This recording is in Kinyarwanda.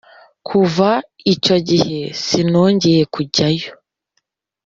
Kuva icyo gihe sinongeye kujyayo,